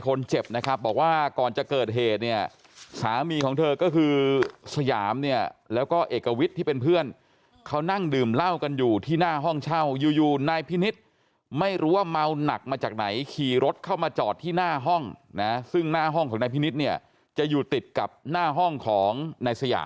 กลายเป็นมีเรื่องมีราวที่ร้านก่อนนะคะ